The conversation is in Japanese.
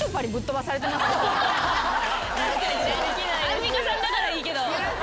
アンミカさんだからいいけど。